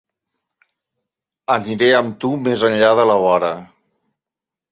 Aniré amb tu més enllà de la vora.